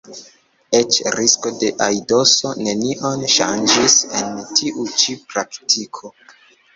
Eĉ risko de aidoso nenion ŝanĝis en tiu ĉi praktiko.